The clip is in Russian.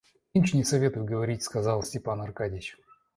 Нынче не советую говорить, — сказал Степан Аркадьич.